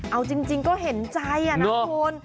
เอาจริงก็เห็นใจนะคุณ